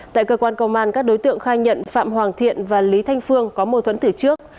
tại cơ quan công an các đối tượng khai nhận phạm hoàng thiện và lý thanh phương có mâu thuẫn từ trước